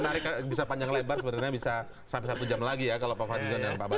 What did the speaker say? baik kita jeda sejenak dulu ya